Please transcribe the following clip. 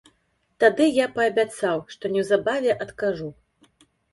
Тады я паабяцаў, што неўзабаве адкажу.